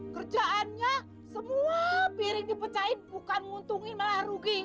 kerjaannya semua piring dipecahin bukan nguntungin malah rugiin